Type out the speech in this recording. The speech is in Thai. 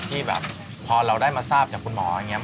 ที่แบบพอเราได้มาทราบจากคุณหมออย่างนี้